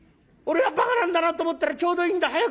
『俺はばかなんだな』と思ったらちょうどいいんだ。